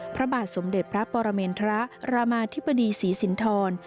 พระบาทสมเด็จพระปรเมนทรรามาธิบดีศรีสินทร